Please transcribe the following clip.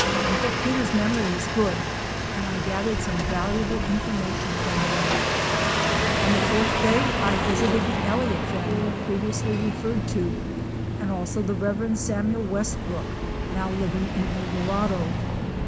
Uncle Peter's memory is good and I gathered some valuable information from him. On the fourth day I visited the Elliott family previously referred to and also the Rev. Samuel Westbrook now living in El Dorado.